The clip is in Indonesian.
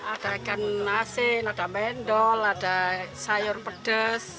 ada ikan asin ada mendol ada sayur pedas